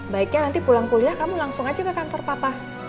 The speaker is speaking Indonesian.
baiknya nanti pulang kuliah kamu langsung aja ke kantor papa